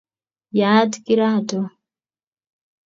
yaat kirato